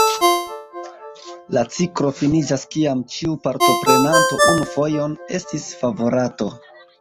La ciklo finiĝas kiam ĉiu partoprenanto unu fojon estis favorato.